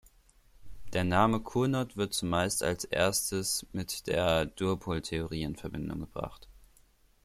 Der Name Cournot wird zumeist als erstes mit der Duopol-Theorie in Verbindung gebracht.